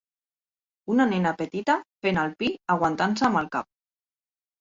Una nena petita fent el pi aguantant-se amb el cap.